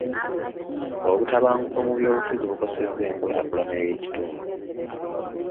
Obutabanguko mu byobufuzi bukosezza enkulaakulana y'ekitundu.